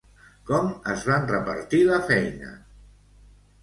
Com es van repartir la feina?